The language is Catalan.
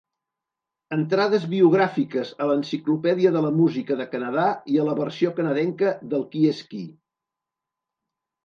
Entrades biogràfiques a l'Enciclopèdia de la Música de Canadà i a la versió canadenca del "Qui és qui".